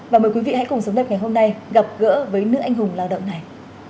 và mời quý vị hãy cùng sống đẹp ngày hôm nay gặp gỡ với nữ anh hùng lao động này